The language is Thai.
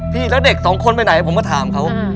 แล้วเด็กสองคนไปไหนผมก็ถามเขา